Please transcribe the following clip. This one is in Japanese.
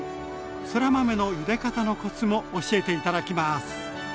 そら豆のゆで方のコツも教えて頂きます。